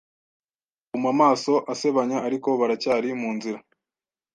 bahuma amaso asebanya Ariko baracyari mu nzira